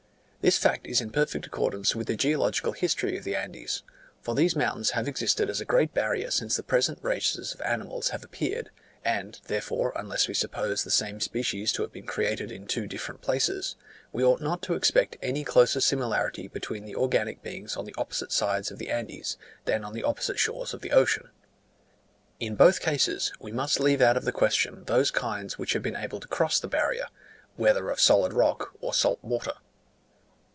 This fact is in perfect accordance with the geological history of the Andes; for these mountains have existed as a great barrier since the present races of animals have appeared; and therefore, unless we suppose the same species to have been created in two different places, we ought not to expect any closer similarity between the organic beings on the opposite sides of the Andes than on the opposite shores of the ocean. In both cases, we must leave out of the question those kinds which have been able to cross the barrier, whether of solid rock or salt water.